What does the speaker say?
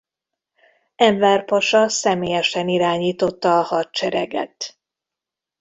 Enver pasa személyesen irányította a hadsereget.